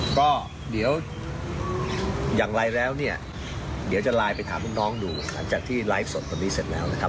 ก็เดี๋ยวอย่างไรแล้วเนี่ยเดี๋ยวจะไลน์ไปถามลูกน้องดูหลังจากที่ไลฟ์สดคนนี้เสร็จแล้วนะครับ